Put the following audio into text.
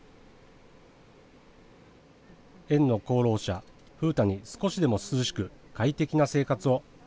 園の功労者・風太に少しでも涼しく快適な生活を。